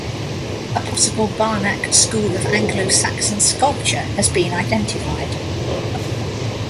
A possible Barnack school of Anglo-Saxon sculpture has been identified.